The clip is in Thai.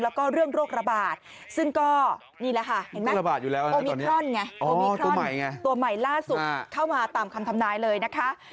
แล้วก็เรื่องโรคระบาดซึ่งก็นี่แหละค่ะเห็นไหมโอมิครอนไงโอมิครอนตัวใหม่ล่าสุดเข้ามาตามคำทำนายเลยนะคะ